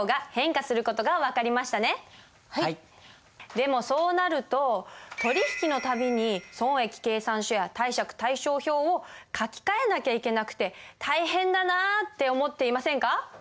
でもそうなると取引の度に損益計算書や貸借対照表を書き換えなきゃいけなくて大変だなって思っていませんか？